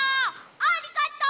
ありがとう！